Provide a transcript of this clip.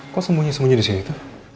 kok sembunyi sembunyi di sini tuh